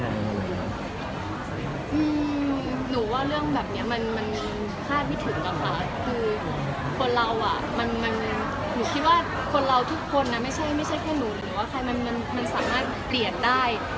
ฮคิดว่าคนเราทุกคนนักไม่ใช่แค่หนูสามารถเปลี่ยนได้